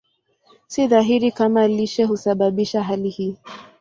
Si dhahiri kama lishe husababisha hali hii.